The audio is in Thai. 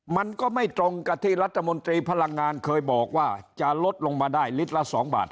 มันก็ไม่ตรงกับที่รัฐมนตรีพลังงานเคยบอกว่าจะลดลงมาได้ลิตรละ๒บาท